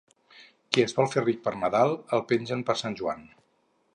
Qui es vol fer ric per Nadal, el pengen per Sant Joan.